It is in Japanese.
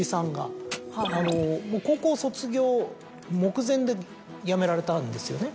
高校卒業目前でやめられたんですよね。